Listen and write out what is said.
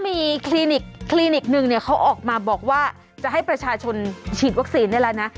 ถ้ามีคลินิกนึงเขาออกมาบอกว่าจะให้ประชาชนฉีดวัคซีนได้แล้วนะ